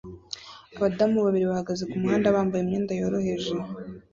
Abadamu babiri bahagaze kumuhanda bambaye imyenda yoroheje